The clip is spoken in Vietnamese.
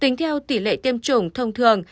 tính theo tỷ lệ tiêm chủng thông thường